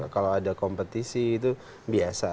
kalau ada kompetisi itu biasa